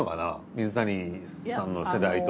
水谷さんの世代と。